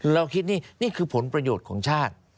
เราคิดนี่นี่คือผลประโยชน์ของชาติ